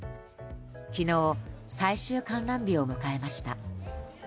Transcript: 昨日、最終観覧日を迎えました。